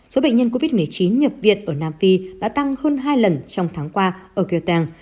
số bệnh nhân covid một mươi chín nhập việt ở nam phi đã tăng hơn hai lần trong tháng qua ở kieu teng